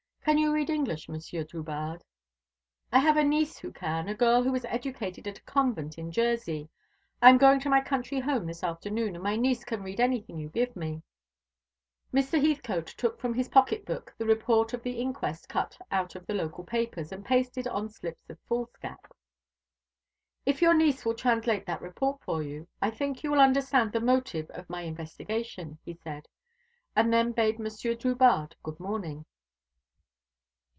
Can you read English, Monsieur Drubarde?" "I have a niece who can a girl who was educated at a convent in Jersey. I am going to my country home this afternoon, and my niece can read anything you give me." Mr. Heathcote took from his pocket book the report of the inquest, cut out of the local papers, and pasted on slips of foolscap. "If your niece will translate that report for you, I think you will understand the motive of my investigation," he said; and then bade Monsieur Drubarde good morning.